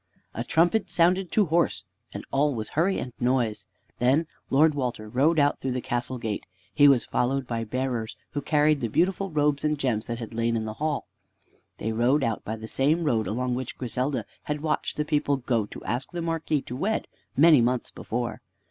A trumpet sounded "to horse," and all was hurry and noise. Then Lord Walter rode out through the castle gate. He was followed by bearers, who carried the beautiful robes and gems that had lain in the hall. They rode out by the same road along which Griselda had watched the people go to ask the Marquis to wed, many months before.